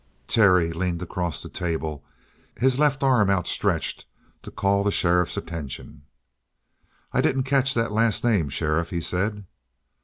Terry leaned across the table, his left arm outstretched to call the sheriff's attention. "I didn't catch that last name, sheriff," he said.